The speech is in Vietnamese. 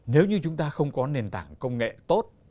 nếu như chúng ta không có nền tảng công nghệ tốt